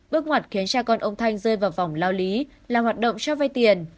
bước ngoặt khiến cha con ông thanh rơi vào vòng lao lý là hoạt động cho vay tiền